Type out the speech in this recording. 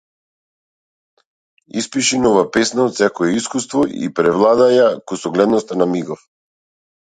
Испиши нова песна од секое искуство и превладај ја кусогледоста на мигов.